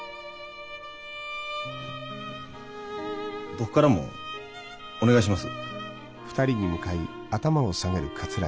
僕からもお願いします。